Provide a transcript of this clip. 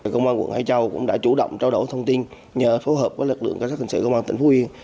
công an quận hải châu cũng đã chủ động trao đổi thông tin nhờ phối hợp với lực lượng cảnh sát hình sự công an tỉnh phú yên